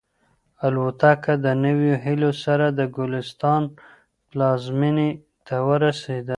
الوتکه د نویو هیلو سره د انګلستان پلازمینې ته ورسېده.